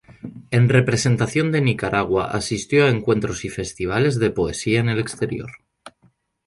En representación de Nicaragua asistió a encuentros y festivales de poesía en el exterior.